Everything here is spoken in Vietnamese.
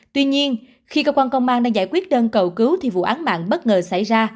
tuy nhiên khi cơ quan công an đang giải quyết đơn cầu cứu thì vụ án mạng bất ngờ xảy ra